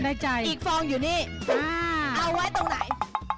ในใจอีกฟองอยู่นี่เอาไว้ตรงไหน